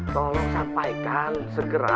tolong sampaikan segera